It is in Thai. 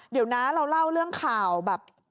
เดี๋ยวนะเราเล่าเรื่องข่าวแบบ